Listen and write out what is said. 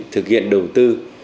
thực hiện đầu tư